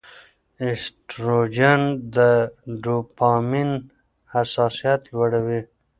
ایسټروجن د ډوپامین حساسیت لوړوي.